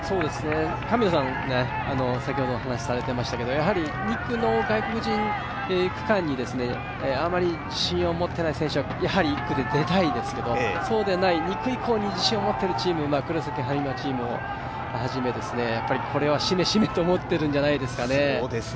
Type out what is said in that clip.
神野さん、先ほど話をされていましたけど、２区の外国人区間にあまり自信を持っていない選手は出たいですけとそうでない２区以降に自信を持っているチーム、今黒崎播磨チームをはじめ、これはしめしめと思ってるんじゃないですかね。